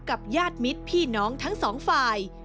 กับญาติมิตรพี่น้องทั้งสองฝ่าย